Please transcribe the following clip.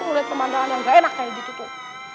ngeliat teman teman yang gak enak kayak gitu tuh